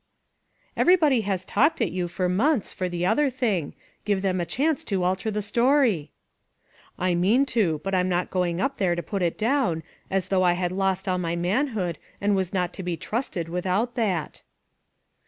" Everybody has talked at you for months, for the other thing. Give them a chance to alter the story." "I mean tok but I'm not going up there to put it down, as though I had lost all my manhood and was not to be trusted without that."